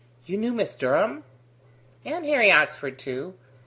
." "You knew Miss Durham?" "And Harry Oxford too.